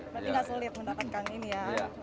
berarti nggak sulit mendatangkan ini ya